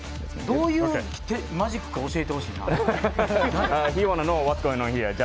どういうマジックか教えてほしいな。